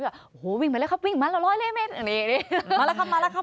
โอ้โหวิ่งไปแล้วครับวิ่งมาหรอตุหนาละครับ